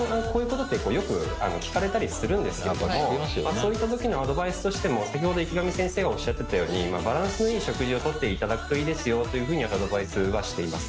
そういった時のアドバイスとしても先ほど池上先生がおっしゃっていたようにバランスのいい食事をとっていただくといいですよというふうにアドバイスはしています。